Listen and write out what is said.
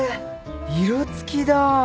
色つきだ。